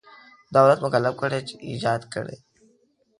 دولت مکلف کړی کار ایجاد کړي.